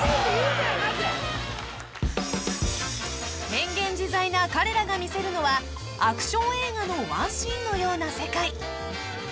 ［変幻自在な彼らが見せるのはアクション映画のワンシーンのような世界］